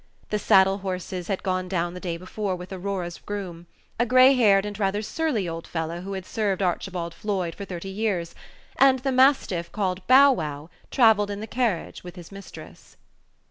The saddle horses had gone down the day before with Aurora's groom, a gray haired and rather surly old fellow who had served Archibald Floyd for thirty years; and the mastiff called Bow wow travelled in the carriage with his mistress.